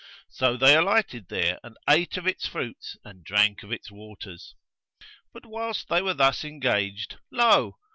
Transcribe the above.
So they alighted there and ate of its fruits and drank of its waters. But whilst they were thus engaged, lo!